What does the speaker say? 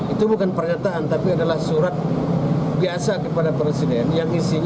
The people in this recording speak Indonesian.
itu bukan pernyataan tapi adalah surat biasa kepada presiden yang isinya